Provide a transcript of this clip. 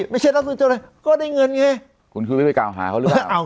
ไม่ใช่นักท่องเที่ยวเข้าไทยก็ได้เงินไงคุณคือไม่ได้กล่าวหาเขาหรือเปล่า